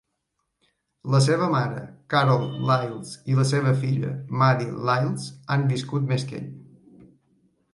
La seva mare, Carol Liles, i la seva filla, Maddie Liles, han viscut més que ell.